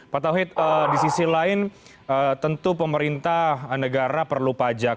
pak tauhid di sisi lain tentu pemerintah negara perlu pajak